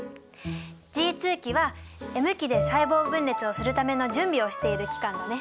Ｇ期はＭ期で細胞分裂をするための準備をしている期間だね。